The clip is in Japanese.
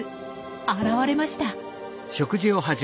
現れました。